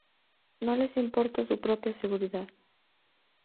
No les importa su propia seguridad.